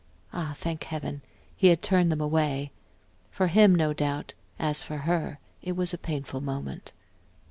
Ah, thank Heaven, he had turned them away; for him, no doubt, as for her it was a painful moment.